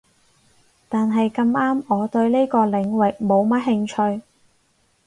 但係咁啱我對呢個領域冇乜興趣